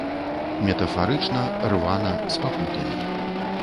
Метафарычна, рвана, з пакутамі.